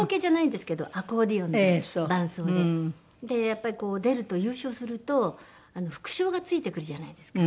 やっぱりこう出ると優勝すると副賞がついてくるじゃないですか。